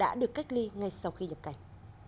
đã được cách ly ngay sau khi nhập cảnh